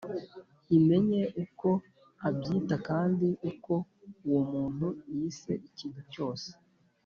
imenye uko abyita, kandi uko uwo muntu yise ikintu cyose